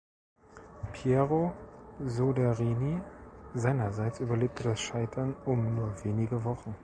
Piero Soderini seinerseits überlebte das Scheitern um nur wenige Wochen.